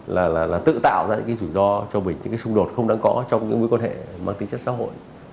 là tự tạo ra những rủi ro cho mình những xung đột không đáng có trong những mối quan hệ bằng tính chất xã hội